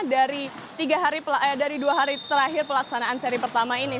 dari dua hari terakhir pelaksanaan seri pertama ini